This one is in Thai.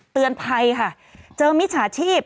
เตือนภัยค่ะเจอมิจฉาชีพ